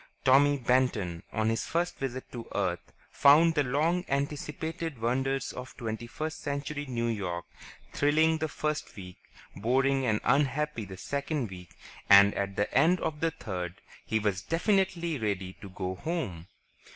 Tommy Benton, on his first visit to Earth, found the long anticipated wonders of twenty first century New York thrilling the first week, boring and unhappy the second week, and at the end of the third he was definitely ready to go home.